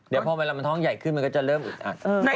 เดี๋ยวพอเวลามันท้องใหญ่ขึ้นมันก็จะเริ่มอึดอัด